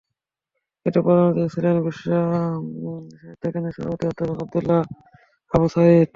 এতে প্রধান অতিথি ছিলেন বিশ্বসাহিত্য কেন্দ্রের সভাপতি অধ্যাপক আবদুল্লাহ আবু সায়ীদ।